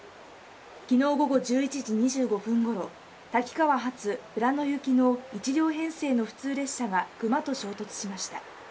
きのう午後１１時２５分ごろ、滝川発富良野行きの１両編成の普通列車がクマと衝突しました。